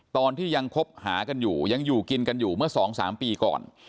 ตอนที่ยังคบหากันอยู่ยังอยู่กินกันอยู่เมื่อ๒๓ปีก่อน